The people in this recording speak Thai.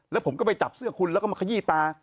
แล้วผมก็ไปจับเสื้อคุณแล้วก็มาขยี้ตา